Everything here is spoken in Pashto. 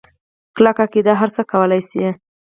کلکه عقیده هرڅه کولی شي.